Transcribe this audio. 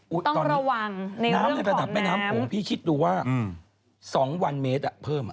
ในเรื่องของน้ำน้ำในระดับแม่น้ำโขงพี่คิดดูว่า๒วันเมตรอะเพิ่มอะ